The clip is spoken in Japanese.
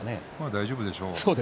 大丈夫でしょう。